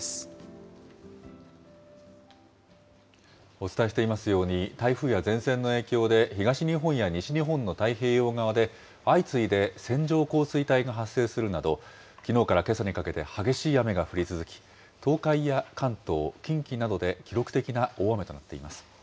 お伝えしていますように、台風や前線の影響で、東日本や西日本の太平洋側で、相次いで線状降水帯が発生するなど、きのうからけさにかけて、激しい雨が降り続き、東海や関東、近畿などで記録的な大雨となっています。